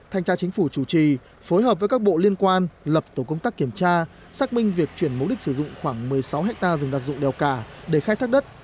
thanh tra chính phủ chủ trì phối hợp với các bộ liên quan lập tổ công tác kiểm tra xác minh việc chuyển mục đích sử dụng khoảng một mươi sáu hectare rừng đặc dụng đèo cả để khai thác đất